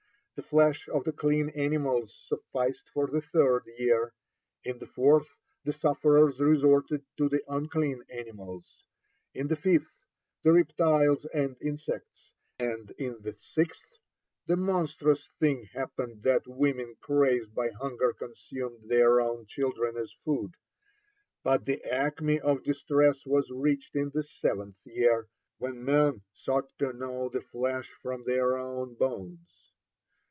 The flesh of the clean animals sufficed for the third year; in the fourth the sufferers resorted to the unclean animals; in the fifth, the reptiles and insects; and in the sixth the monstrous thing happened that women crazed by hunger consumed their own children as food. But the acme of distress was reached in the seventh year, when men sought to gnaw the flesh from their own bones.